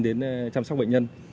đến chăm sóc bệnh nhân